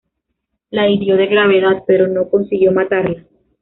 La hirió de gravedad, pero no consiguió matarla.